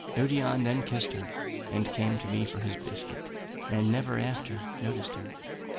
Odion then kissed her, and came to me for his biscuit, and never after noticed her.